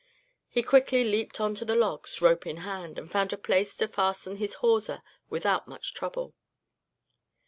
He quickly leaped on to the logs, rope in hand, and found a place to fasten his hawser without much trouble.